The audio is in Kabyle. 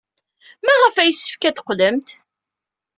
Maɣef ay yessefk ad teqqlemt?